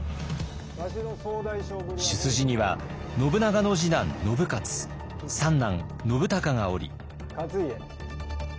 主筋には信長の次男信雄三男信孝がおり。